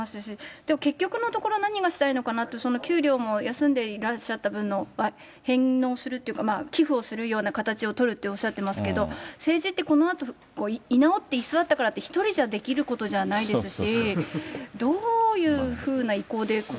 でも結局のところ、何がしたいのかなって、給料も休んでいらっしゃった分は返納するというか、寄付をするような形を取るっておっしゃってますけど、政治って、このあと居直って、居座ったからって、１人じゃできることじゃないですし、